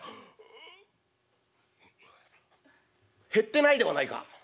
「あ。減ってないではないか。